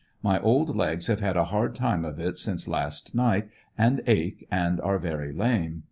My old legs have had a hard time of it since last night and ache, and are very lame.